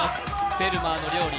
「フェルマーの料理」